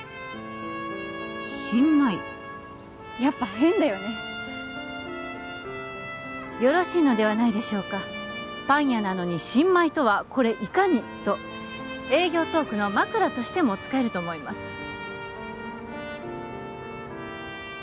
新米やっぱ変だよねよろしいのではないでしょうかパン屋なのに新米とはこれいかに？と営業トークの枕としても使えると思います